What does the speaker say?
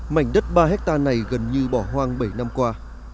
mảnh đất ba hectare này gần như bỏ hoang bảy năm qua